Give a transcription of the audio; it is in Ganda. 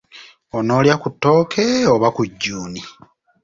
Onoolya ku ttooke oba ku jjuuni?